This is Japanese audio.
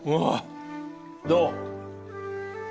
どう？